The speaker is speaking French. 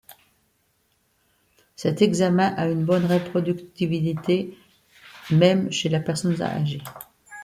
Cet examen a une bonne reproductibilité, même chez la personne âgée.